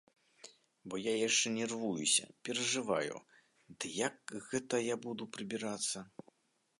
Бо я яшчэ нервуюся, перажываю, ды як гэта я буду прыбірацца.